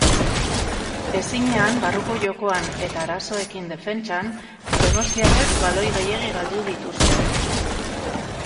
Ezinean barruko jokoan eta arazoekin defentsan, donostiarrek baloi gehiegi galdu dute.